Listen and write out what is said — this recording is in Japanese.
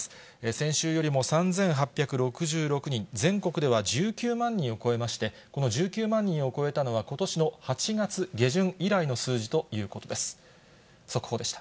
先週よりも３８６６人、全国では１９万人を超えまして、この１９万人を超えたのは、ことしの８月下旬以来の数字ということです。